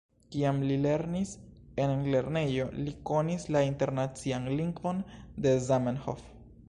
Kiam li lernis en lernejo, li konis la internacian lingvon de Zamenhof.